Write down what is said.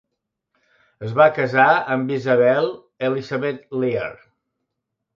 Es va casar amb Isabel Elizabeth Lear.